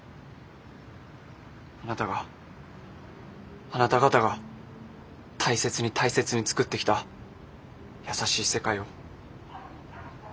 あなたがあなた方が大切に大切に作ってきた優しい世界を。